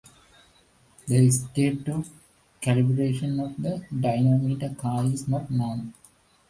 The state of calibration of the dynamometer car is not known.